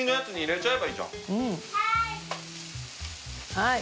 はい。